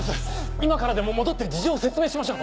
今からでも戻って事情を説明しましょう。